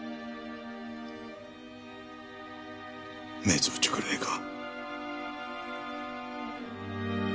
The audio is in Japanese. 目つぶっちゃくれねえか。